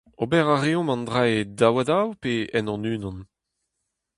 Ober a reomp an dra-se daou-ha-daou pe en hon-unan ?